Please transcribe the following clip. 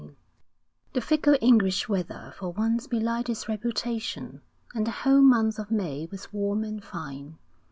XIV The fickle English weather for once belied its reputation, and the whole month of May was warm and fine.